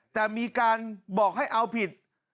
แต่มีการบอกให้เอาผิด